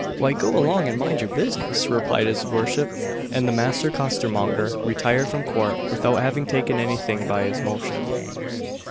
"Why go along and mind your business," replied his worship and the master costermonger retired from court without having taken anything by his motion.